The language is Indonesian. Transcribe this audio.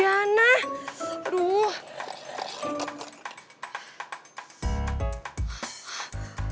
banya allah lagi